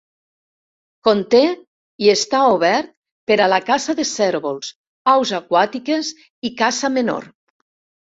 Conté i està obert per a la caça de cérvols, aus aquàtiques i caça menor.